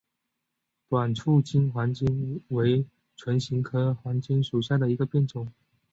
短促京黄芩为唇形科黄芩属下的一个变种。